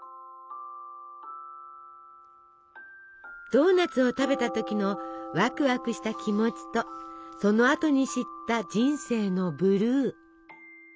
ドーナツを食べた時のワクワクした気持ちとそのあとに知った人生のブルー。